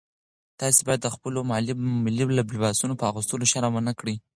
تاسي باید د خپلو ملي لباسونو په اغوستلو شرم ونه کړئ.